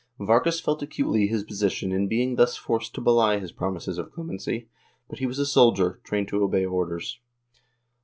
Vargas felt acutely his position in being thus forced to belie his promises of clemency, but he was a soldier, trained to obey orders.